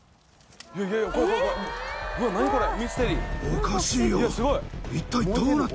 おかしいよ。